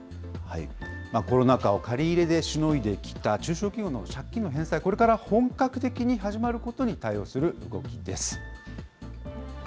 コロナ禍を借り入れでしのいできた中小企業の借金の返済、これから本格的に始まることに対応する動きです。